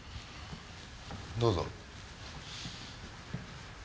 どうぞ。